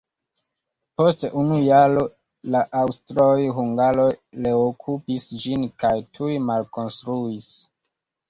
Post unu jaro la aŭstroj-hungaroj reokupis ĝin kaj tuj malkonstruis.